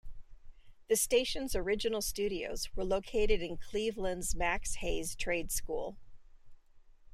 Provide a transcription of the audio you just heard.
The station's original studios were located in Cleveland's Max Hayes Trade School.